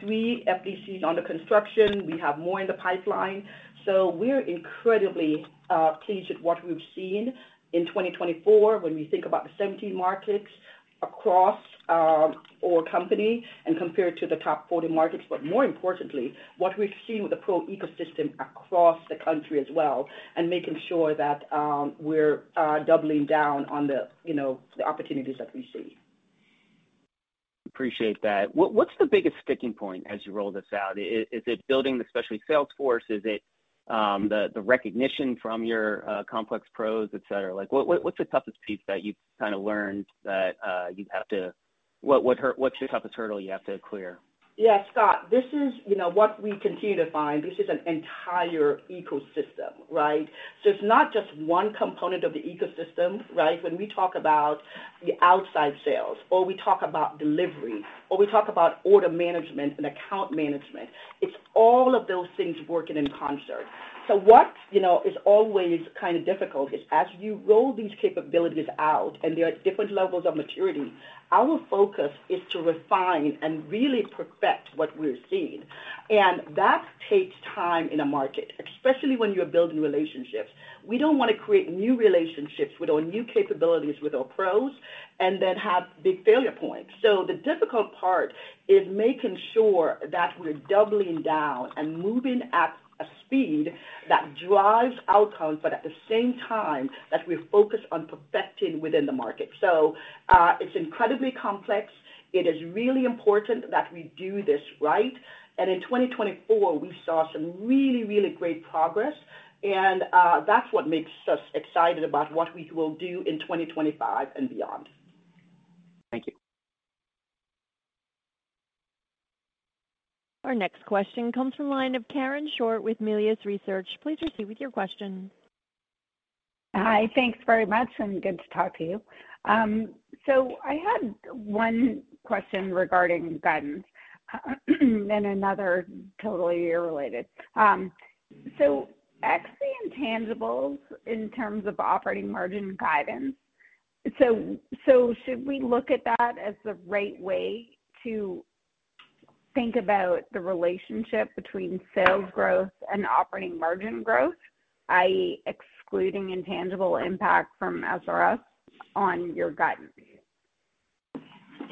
three FDCs under construction. We have more in the pipeline. So we're incredibly pleased with what we've seen in 2024 when we think about the 17 markets across our company and compared to the top 40 markets. But more importantly, what we've seen with the Pro ecosystem across the country as well, and making sure that we're doubling down on the opportunities that we see. Appreciate that. What's the biggest sticking point as you roll this out? Is it building the specialty sales force? Is it the recognition from your complex Pros, etc.? What's the toughest piece that you've kind of learned? What's the toughest hurdle you have to clear? Yeah, Scot, this is what we continue to find. This is an entire ecosystem, right? So it's not just one component of the ecosystem, right? When we talk about the outside sales, or we talk about delivery, or we talk about order management and account management, it's all of those things working in concert. So what is always kind of difficult is as you roll these capabilities out, and there are different levels of maturity, our focus is to refine and really perfect what we're seeing. And that takes time in a market, especially when you're building relationships. We don't want to create new relationships with our new capabilities with our Pros and then have big failure points. So the difficult part is making sure that we're doubling down and moving at a speed that drives outcomes, but at the same time that we're focused on perfecting within the market. So it's incredibly complex. It is really important that we do this right. And in 2024, we saw some really, really great progress. And that's what makes us excited about what we will do in 2025 and beyond. Thank you. Our next question comes from a line of Karen Short with Melius Research. Please proceed with your question. Hi, thanks very much, and good to talk to you. So I had one question regarding guidance and another totally related. So actually, intangibles in terms of operating margin guidance, so should we look at that as the right way to think about the relationship between sales growth and operating margin growth, i.e., excluding intangible impact from SRS on your guidance?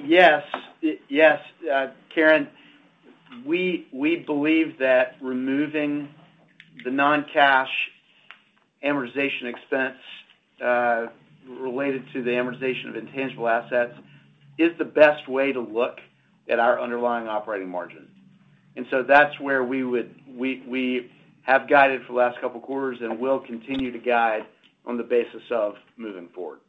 Yes. Yes. Karen, we believe that removing the non-cash amortization expense related to the amortization of intangible assets is the best way to look at our underlying operating margin. And so that's where we have guided for the last couple of quarters and will continue to guide on the basis of moving forward.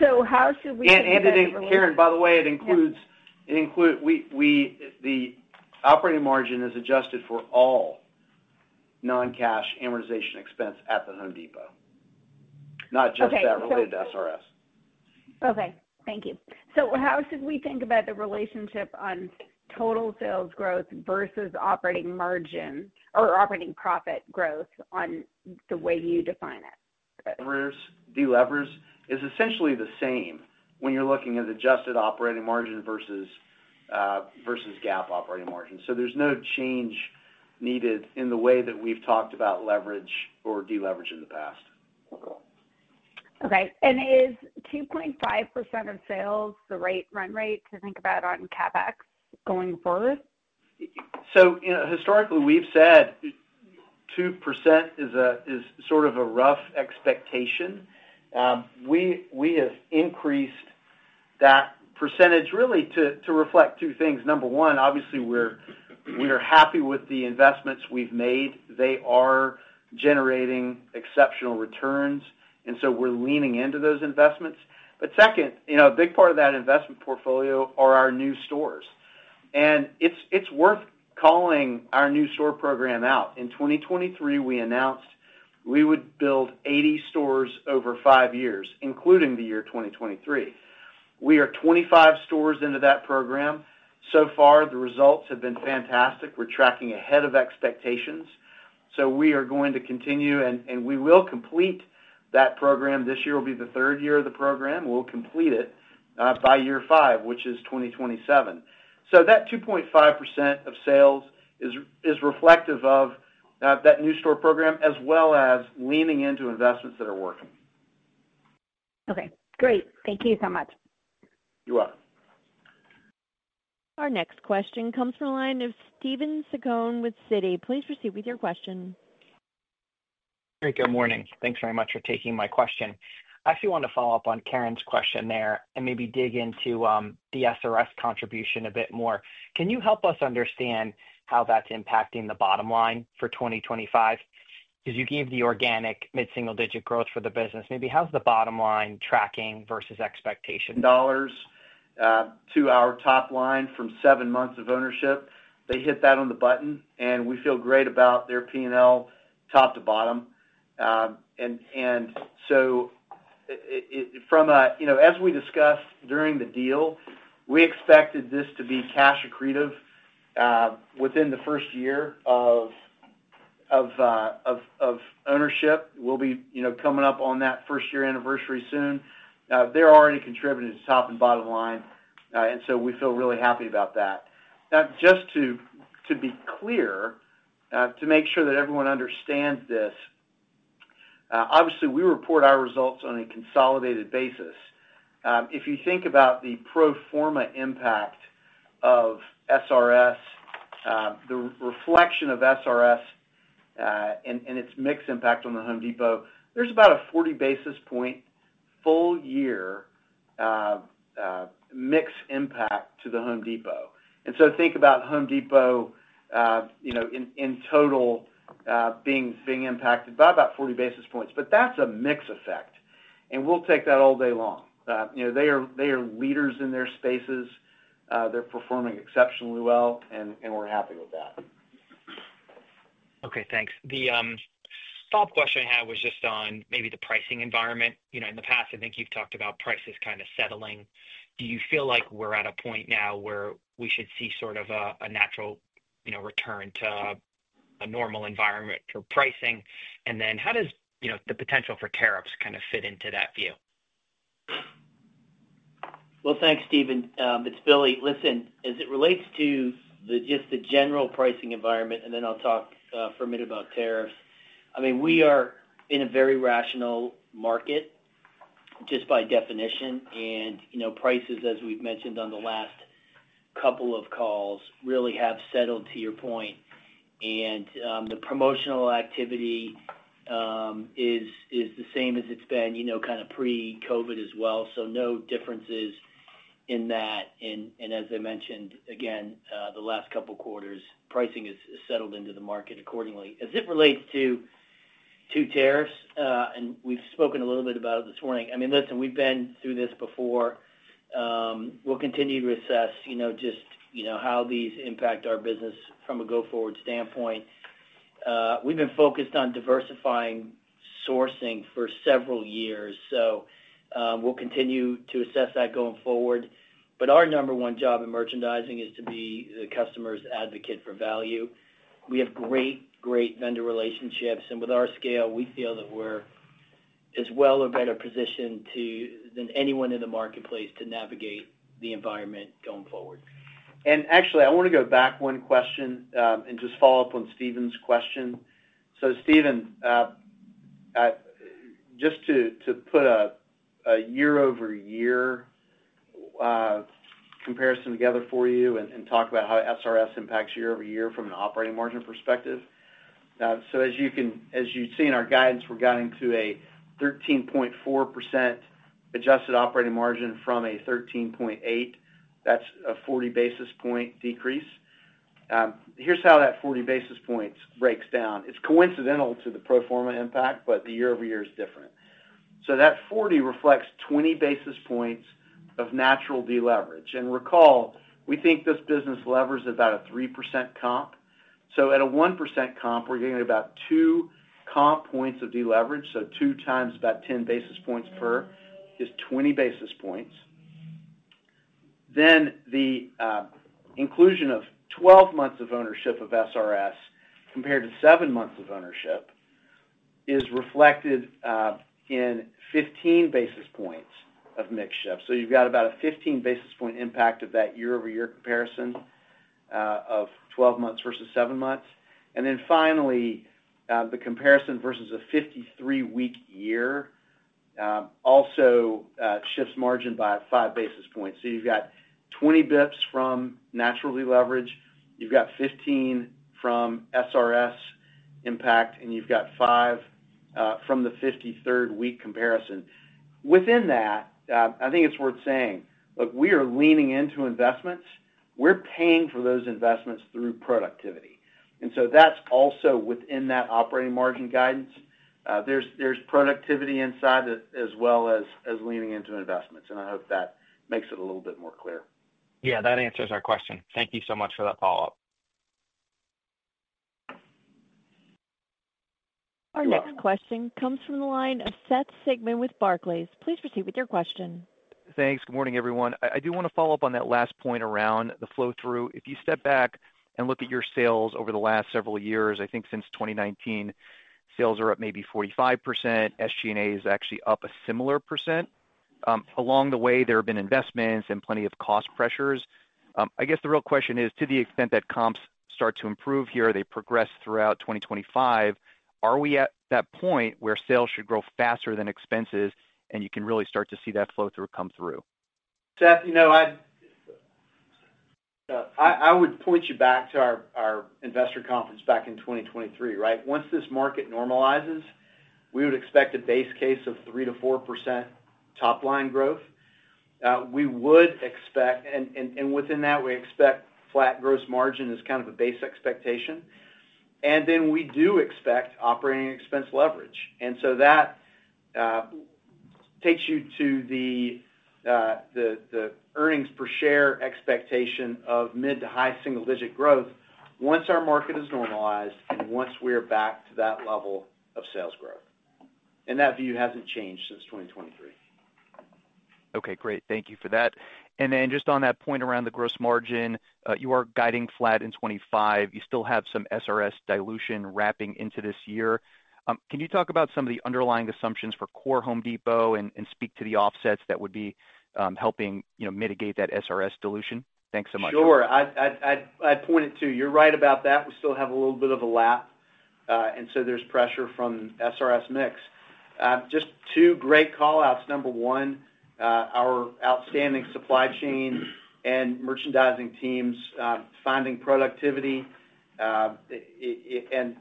So how should we? Karen, by the way, it includes the operating margin is adjusted for all non-cash amortization expense at The Home Depot, not just that related to SRS. Okay. Thank you. So how should we think about the relationship on total sales growth versus operating margin or operating profit growth on the way you define it? Leverage is essentially the same when you're looking at adjusted operating margin versus GAAP operating margin. So there's no change needed in the way that we've talked about leverage or deleverage in the past. Okay. And is 2.5% of sales the right run rate to think about on CapEx going forward? So historically, we've said 2% is sort of a rough expectation. We have increased that percentage really to reflect two things. Number one, obviously, we're happy with the investments we've made. They are generating exceptional returns, and so we're leaning into those investments. But second, a big part of that investment portfolio are our new stores. And it's worth calling our new store program out. In 2023, we announced we would build 80 stores over five years, including the year 2023. We are 25 stores into that program. So far, the results have been fantastic. We're tracking ahead of expectations. So we are going to continue, and we will complete that program. This year will be the third year of the program. We'll complete it by year five, which is 2027. So that 2.5% of sales is reflective of that new store program as well as leaning into investments that are working. Okay. Great. Thank you so much. You're welcome. Our next question comes from a line of Steven Zaccone with Citi. Please proceed with your question. Good morning. Thanks very much for taking my question. I actually want to follow up on Karen's question there and maybe dig into the SRS contribution a bit more. Can you help us understand how that's impacting the bottom line for 2025? Because you gave the organic mid-single-digit growth for the business. Maybe how's the bottom line tracking versus expectations? Dollars to our top line from seven months of ownership. They hit that on the button, and we feel great about their P&L top to bottom. And so from a, as we discussed during the deal, we expected this to be cash accretive within the first year of ownership. We'll be coming up on that first-year anniversary soon. They're already contributing to top and bottom line, and so we feel really happy about that. Now, just to be clear, to make sure that everyone understands this, obviously, we report our results on a consolidated basis. If you think about the pro forma impact of SRS, the reflection of SRS and its mix impact on the Home Depot, there's about a 40 basis points full-year mix impact to the Home Depot, and so think about Home Depot in total being impacted by about 40 basis points, but that's a mix effect, and we'll take that all day long. They are leaders in their spaces. They're performing exceptionally well, and we're happy with that. Okay. Thanks. The follow-up question I had was just on maybe the pricing environment. In the past, I think you've talked about prices kind of settling. Do you feel like we're at a point now where we should see sort of a natural return to a normal environment for pricing? And then how does the potential for tariffs kind of fit into that view? Well, thanks, Steven. It's Billy. Listen, as it relates to just the general pricing environment, and then I'll talk for a minute about tariffs. I mean, we are in a very rational market just by definition. And prices, as we've mentioned on the last couple of calls, really have settled to your point. And the promotional activity is the same as it's been kind of pre-COVID as well. So no differences in that. And as I mentioned, again, the last couple of quarters, pricing has settled into the market accordingly. As it relates to tariffs, and we've spoken a little bit about it this morning. I mean, listen, we've been through this before. We'll continue to assess just how these impact our business from a go-forward standpoint. We've been focused on diversifying sourcing for several years. So we'll continue to assess that going forward. But our number one job in merchandising is to be the customer's advocate for value. We have great, great vendor relationships. And with our scale, we feel that we're as well or better positioned than anyone in the marketplace to navigate the environment going forward. And actually, I want to go back one question and just follow up on Steven's question. So Steven, just to put a year-over-year comparison together for you and talk about how SRS impacts year-over-year from an operating margin perspective. So as you've seen our guidance, we're guiding to a 13.4% adjusted operating margin from a 13.8%. That's a 40-basis-point decrease. Here's how that 40-basis-point breaks down. It's coincidental to the pro forma impact, but the year-over-year is different. So that 40 reflects 20 basis points of natural deleverage. And recall, we think this business levers about a 3% comp. So at a 1% comp, we're getting about two comp points of deleverage. So two times about 10 basis points per is 20 basis points. Then the inclusion of 12 months of ownership of SRS compared to seven months of ownership is reflected in 15 basis points of mix shift. So you've got about a 15-basis point impact of that year-over-year comparison of 12 months versus seven months. And then finally, the comparison versus a 53-week year also shifts margin by five basis points. So you've got 20 basis points from natural deleverage. You've got 15 from SRS impact, and you've got five from the 53rd-week comparison. Within that, I think it's worth saying, look, we are leaning into investments. We're paying for those investments through productivity. And so that's also within that operating margin guidance. There's productivity inside as well as leaning into investments. I hope that makes it a little bit more clear. Yeah, that answers our question. Thank you so much for that follow-up. Our next question comes from the line of Seth Sigman with Barclays. Please proceed with your question. Thanks. Good morning, everyone. I do want to follow up on that last point around the flow-through. If you step back and look at your sales over the last several years, I think since 2019, sales are up maybe 45%. SG&A is actually up a similar percent. Along the way, there have been investments and plenty of cost pressures. I guess the real question is, to the extent that comps start to improve here, they progress throughout 2025, are we at that point where sales should grow faster than expenses, and you can really start to see that flow-through come through? Seth, I would point you back to our investor conference back in 2023, right? Once this market normalizes, we would expect a base case of 3%-4% top-line growth. We would expect, and within that, we expect flat gross margin is kind of a base expectation. And then we do expect operating expense leverage. And so that takes you to the earnings per share expectation of mid to high single-digit growth once our market has normalized and once we are back to that level of sales growth. And that view hasn't changed since 2023. Okay. Great. Thank you for that. And then just on that point around the gross margin, you are guiding flat in 2025. You still have some SRS dilution wrapping into this year. Can you talk about some of the underlying assumptions for core Home Depot and speak to the offsets that would be helping mitigate that SRS dilution? Thanks so much. Sure. I'd point it to you. You're right about that. We still have a little bit of a lap. And so there's pressure from SRS mix. Just two great callouts. Number one, our outstanding supply chain and merchandising teams finding productivity. And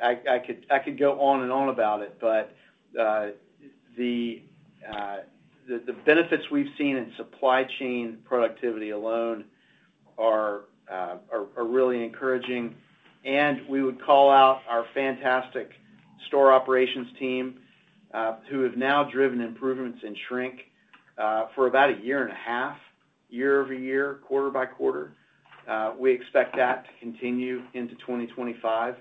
I could go on and on about it, but the benefits we've seen in supply chain productivity alone are really encouraging. And we would call out our fantastic store operations team who have now driven improvements in shrink for about a year and a half, year-over-year, quarter by quarter. We expect that to continue into 2025.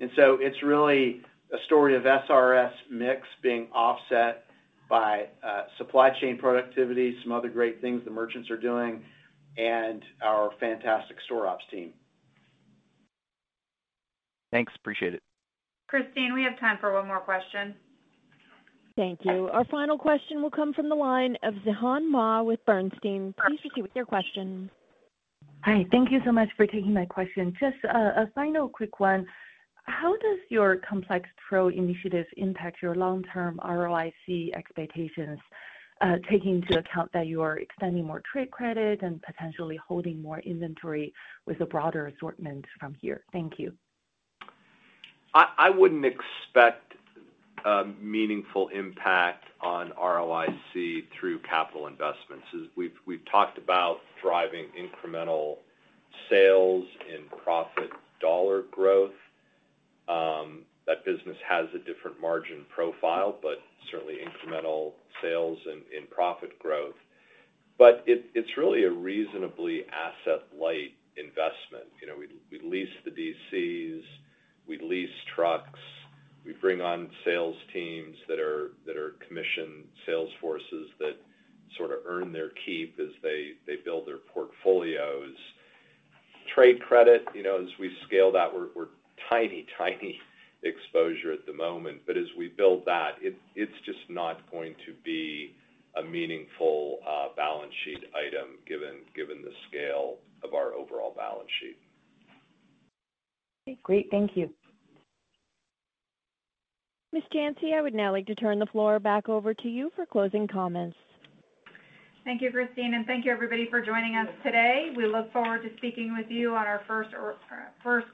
And so it's really a story of SRS mix being offset by supply chain productivity, some other great things the merchants are doing, and our fantastic store ops team. Thanks. Appreciate it. Christine, we have time for one more question. Thank you. Our final question will come from the line of Zhihan Ma with Bernstein. Please proceed with your question. Hi. Thank you so much for taking my question. Just a final quick one. How does your complex Pro initiative impact your long-term ROIC expectations, taking into account that you are extending more trade credit and potentially holding more inventory with a broader assortment from here? Thank you. I wouldn't expect meaningful impact on ROIC through capital investments. We've talked about driving incremental sales and profit dollar growth. That business has a different margin profile, but certainly incremental sales and profit growth. But it's really a reasonably asset-light investment. We lease the DCs. We lease trucks. We bring on sales teams that are commissioned sales forces that sort of earn their keep as they build their portfolios. Trade credit, as we scale that, we're tiny, tiny exposure at the moment. But as we build that, it's just not going to be a meaningful balance sheet item given the scale of our overall balance sheet. Okay. Great. Thank you. Ms. Janci, I would now like to turn the floor back over to you for closing comments. Thank you, Christine. And thank you, everybody, for joining us today. We look forward to speaking with you on our first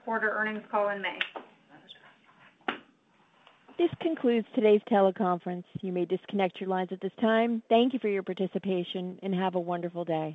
quarter earnings call in May. This concludes today's teleconference. You may disconnect your lines at this time. Thank you for your participation, and have a wonderful day.